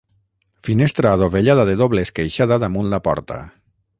Finestra adovellada de doble esqueixada damunt la porta.